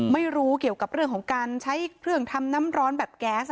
ไม่รู้เกี่ยวกับเรื่องของการใช้เครื่องทำน้ำร้อนแบบแก๊ส